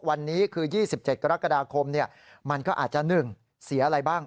วันนี้คือ๒๗กรกฎาคมมันก็อาจจะ๑เสียอะไรบ้าง